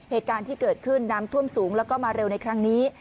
เหตุการณ์ที่เกิดขึ้นน้ำท่วมสูงแล้วก็มาเร็วในครั้งนี้